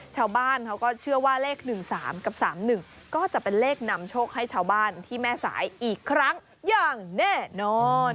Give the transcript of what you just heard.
ชาวบ้านเขาก็เชื่อว่าเลข๑๓กับ๓๑ก็จะเป็นเลขนำโชคให้ชาวบ้านที่แม่สายอีกครั้งอย่างแน่นอน